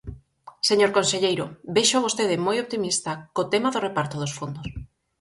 Señor conselleiro, véxoo a vostede moi optimista co tema do reparto dos fondos.